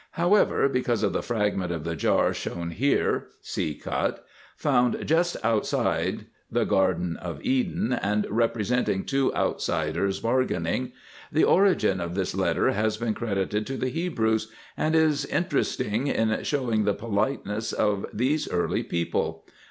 However, because of the fragment of the jar shown here (see cut), found just outside the Garden of Eden and representing two outsiders bargaining, the origin of this letter has been credited to the Hebrews, and is interesting in showing the politeness of these early people.